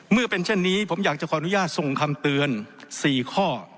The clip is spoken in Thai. เมื่อเป็นเช่นนี้ผมอยากจะขออนุญาตส่งคำเตือน๔ข้อ